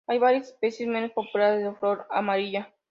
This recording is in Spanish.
Hay varias especies, menos populares, de flor amarilla.